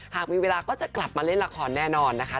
หากมีเวลาก็จะกลับมาเล่นละครแน่นอนนะคะ